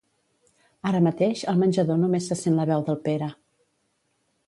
Ara mateix al menjador només se sent la veu del Pere.